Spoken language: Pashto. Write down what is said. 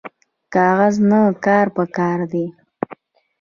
کاغذ نه کار پکار دی